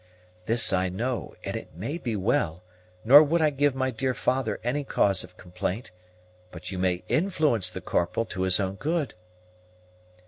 "This I know, and it may be well, nor would I give my dear father any cause of complaint; but you may influence the Corporal to his own good."